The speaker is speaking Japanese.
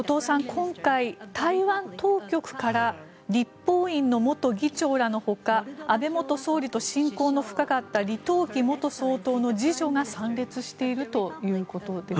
今回台湾当局から立法院の元議長らのほか安倍元総理と親交の深かった李登輝元総統の次女が参列しているということです。